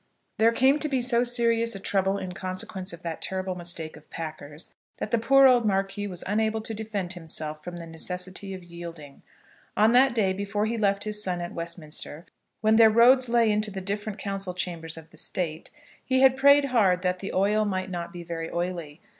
There came to be so serious a trouble in consequence of that terrible mistake of Packer's, that the poor old Marquis was unable to defend himself from the necessity of yielding. On that day, before he left his son at Westminster, when their roads lay into the different council chambers of the state, he had prayed hard that the oil might not be very oily.